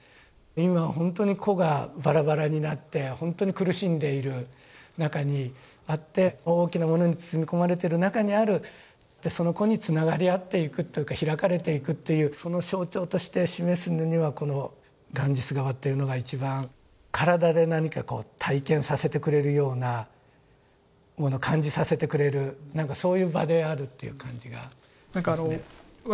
今ほんとに個がバラバラになってほんとに苦しんでいる中にあって大きなものに包み込まれてる中にあるその個につながり合っていくというか開かれていくというその象徴として示すのにはこのガンジス河というのが一番体で何かこう体験させてくれるようなもの感じさせてくれる何かそういう場であるという感じがしますね。